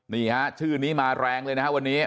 นี่ฮะชื่อนี้มาแรงเลยนะฮะวันนี้